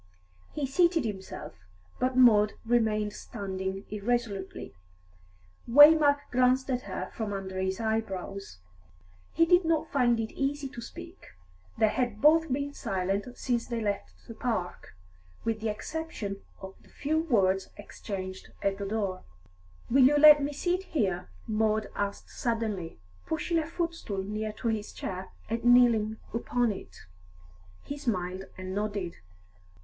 He seated himself, but Maud remained standing irresolutely. Waymark glanced at her from under his eyebrows. He did not find it easy to speak; they had both been silent since they left the park, with the exception of the few words exchanged at the door. "Will you let me sit here?" Maud asked suddenly, pushing a footstool near to his chair, and kneeling upon it. He smiled and nodded.